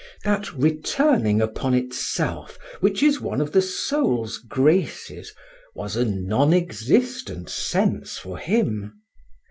That returning upon itself which is one of the soul's graces, was a non existent sense for him.